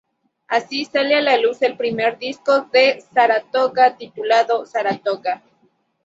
Así, sale a la luz el primer disco de Saratoga, titulado Saratoga.